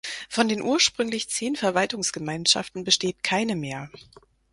Von den ursprünglich zehn Verwaltungsgemeinschaften besteht keine mehr.